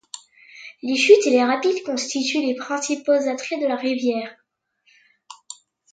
Les chutes et les rapides constituent les principaux attraits de la rivière.